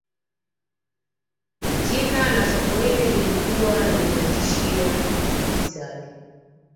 jina la sokoine lilikuwa linatishia mafisadi